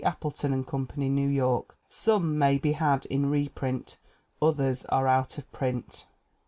Appleton & Company, New York. Some may be had in reprint, others are out of print.